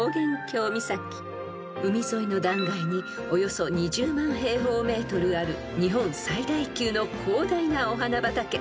［海沿いの断崖におよそ２０万平方ｍある日本最大級の広大なお花畑］